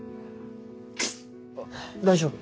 大丈夫？